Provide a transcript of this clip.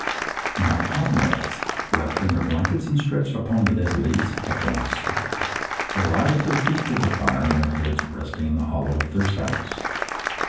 My comrades, wrapped in their blankets, and stretched upon the dead leaves, have gone to sleep. They lie with their feet to the fire, and their heads resting in the hollow of their saddles.